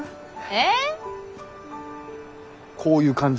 えっ？